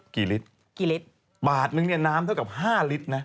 กี่ลิตรบาทหนึ่งน้ำเท่ากับ๕ลิตรนะ